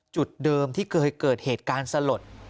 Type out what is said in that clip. จุดเดิมที่เคยเกิดเหตุการณ์สลด